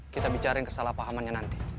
kita bicara yang kesalahpahamannya nanti